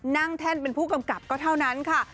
แท่นเป็นผู้กำกับก็เท่านั้นค่ะ